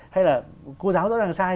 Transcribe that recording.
hay là cô giáo rõ ràng sai